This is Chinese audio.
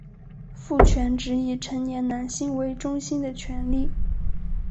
父权指以成年男性为中心的权力。